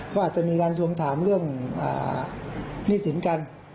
ก็อาจจะมีการทวงถามเรื่องหนี้สินกัน